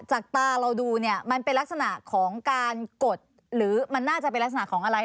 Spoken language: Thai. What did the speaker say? ตาเราดูเนี่ยมันเป็นลักษณะของการกดหรือมันน่าจะเป็นลักษณะของอะไร